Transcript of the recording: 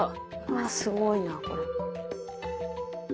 わすごいなこれ。